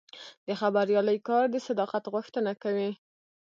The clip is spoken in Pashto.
د خبریالۍ کار د صداقت غوښتنه کوي.